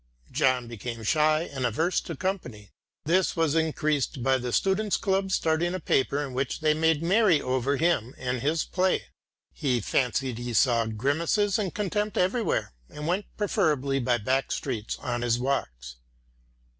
John became shy and averse to company. This was increased by the students' club starting a paper in which they made merry over him and his play. He fancied he saw grimaces and contempt everywhere, and went preferably by back streets on his walks.